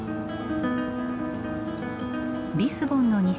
リスボンの西